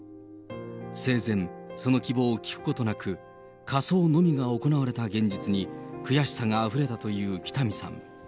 生前、その希望を聞くことなく、火葬のみが行われた現実に、悔しさがあふれたという北見さん。